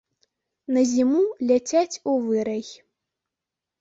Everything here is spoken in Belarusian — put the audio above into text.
На зіму ляціць у вырай.